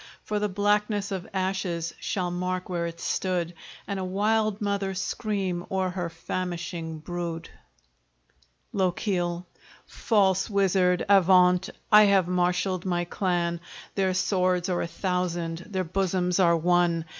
For the blackness of ashes shall mark where it stood, And a wild mother scream o'er her famishing brood. LOCHIEL False Wizard, avaunt! I have marshaled my clan; Their swords are a thousand, their bosoms are one!